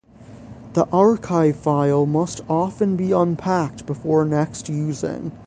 The archive file must often be unpacked before next using.